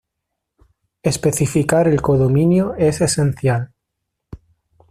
Especificar el codominio es esencial.